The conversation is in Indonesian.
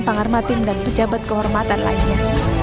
pangarmatim dan pejabat kehormatan lainnya